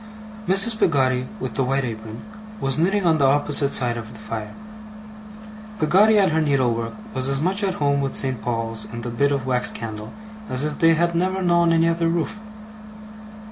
Mrs. Peggotty with the white apron, was knitting on the opposite side of the fire. Peggotty at her needlework was as much at home with St. Paul's and the bit of wax candle, as if they had never known any other roof.